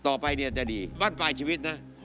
ต่อไปจะดีวันปลายชีวิตนะ